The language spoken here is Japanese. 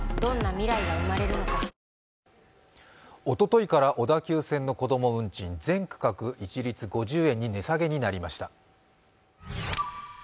おとといから小田急線のこども運賃、全区間、一律５０円に値下げになりました。